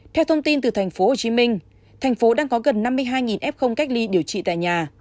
theo thông tin từ tp hcm thành phố đang có gần năm mươi hai f cách ly điều trị tại nhà